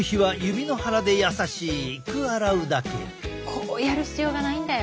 こうやる必要がないんだよ。